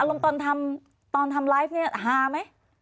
อารมณ์ตอนทำตอนทำไลฟ์นี้ฮาไหม